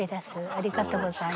ありがとうございます。